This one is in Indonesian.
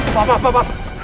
bapak bapak bapak